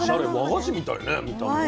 和菓子みたいね見た目は。